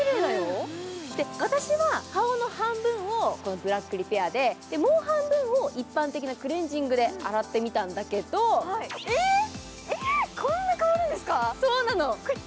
私は顔の半分をブラックリペアで、もう半分を一般的なクレンジングで洗ってみたんだけどえーっ、こんな変わるんですか？